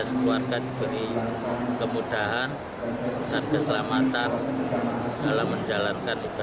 sekeluarga diberi kemudahan dan keselamatan